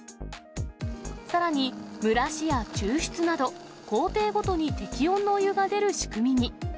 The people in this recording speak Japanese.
さらに蒸らしや抽出など、工程ごとに適温のお湯が出る仕組みに。